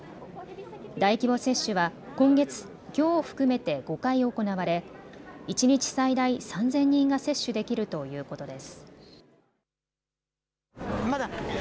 大規模接種は今月、きょうを含めて５回行われ一日最大３０００人が接種できるということです。